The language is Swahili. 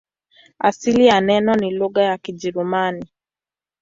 Asili ya neno ni lugha ya Kijerumani.